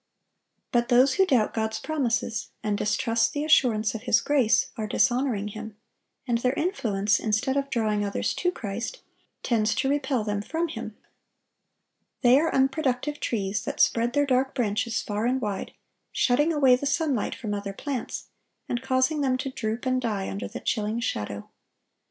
But those who doubt God's promises, and distrust the assurance of His grace, are dishonoring Him; and their influence, instead of drawing others to Christ, tends to repel them from Him. They are unproductive trees, that spread their dark branches far and wide, shutting away the sunlight from other plants, and causing them to droop and die under the chilling shadow.